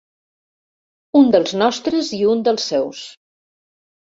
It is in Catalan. Un dels nostres i un dels seus.